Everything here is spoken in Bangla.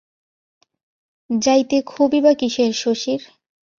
যাইতে ক্ষোভই বা কিসের শশীর?